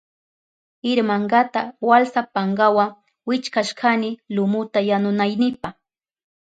Irmankata walsa pankawa wichkashkani lumuta yanunaynipa.